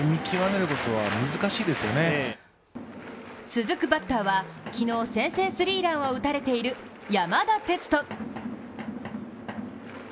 続くバッターは、昨日先制スリーランを打たれている山田哲人。